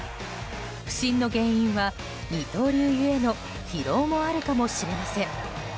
不振の原因は二刀流ゆえの疲労もあるかもしれません。